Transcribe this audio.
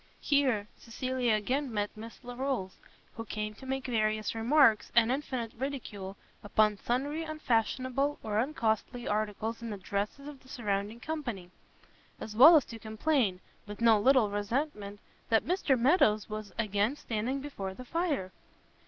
Here Cecilia again met Miss Larolles, who came to make various remarks, and infinite ridicule, upon sundry unfashionable or uncostly articles in the dresses of the surrounding company; as well as to complain, with no little resentment, that Mr Meadows was again standing before the fire!